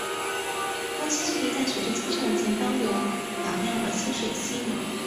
多栖息于在水质清澈及高溶氧量的淡水溪流。